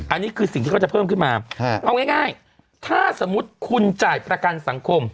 อันนี้คือสิ่งที่เขาจะเพิ่มขึ้นมาเอาง่ายถ้าสมมุติคุณจ่ายประกันสังคม